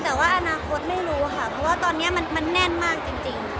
แต่ว่าอนาคตไม่รู้ค่ะเพราะว่าตอนนี้มันแน่นมากจริง